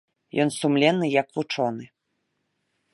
Ён сумленны як вучоны.